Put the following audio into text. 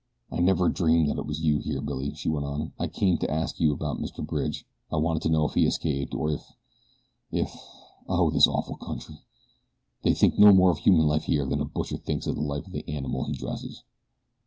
"I never dreamed that it was you here, Billy," she went on. "I came to ask you about Mr. Bridge. I wanted to know if he escaped, or if if oh, this awful country! They think no more of human life here than a butcher thinks of the life of the animal he dresses."